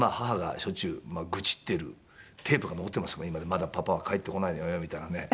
まだパパは帰ってこないのよみたいなね。